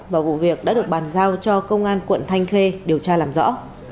và vụ việc đã được bàn giao cho công an quận thanh khê điều tra làm rõ